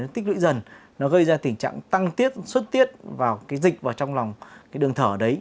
nó tích lũy dần nó gây ra tình trạng tăng tiết xuất tiết vào cái dịch vào trong lòng cái đường thở đấy